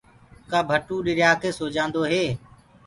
ڪآ ڀٽوُ ڏريآ ڪي سوجآندو هي؟